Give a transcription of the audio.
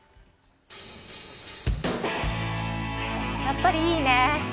やっぱりいいね。